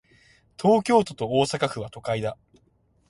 東京都と大阪府は、都会だ。